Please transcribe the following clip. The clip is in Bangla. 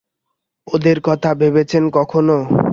ওদের কথা ভেবেছেন কখনো?